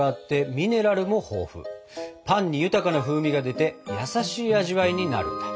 パンに豊かな風味が出て優しい味わいになるんだ。